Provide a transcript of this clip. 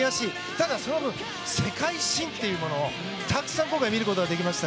ただその分世界新というものをたくさん僕は見ることができました。